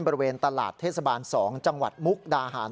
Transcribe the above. บริเวณตลาดเทศบาล๒จังหวัดมุกดาหาร